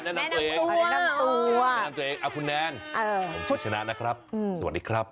แนะนำตัวแนะนำตัวเองคุณแนนชื่อชนะนะครับสวัสดีครับ